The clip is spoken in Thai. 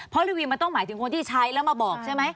เพราะรีวิวมันต้องหมายถึงคนที่ใช้แล้วมาบอกใช่ไหม